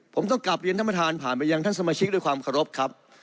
ผมต้องกลับเรียนท่านประธานผ่านไปยังท่านสมาชิกด้วยความเคารพครับ